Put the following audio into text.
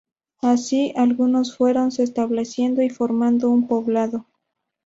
Así, algunos fueron se estableciendo y formando un poblado.